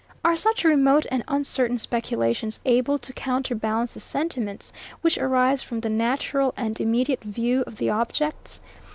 Are such remote and uncertain speculations able to counterbalance the sentiments which arise from the natural and immediate view of the objects?